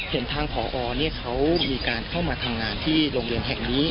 เห็นทางผอเขามีการเข้ามาทำงานที่โรงเรียนแห่งนี้